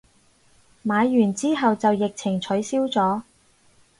買完之後就疫情取消咗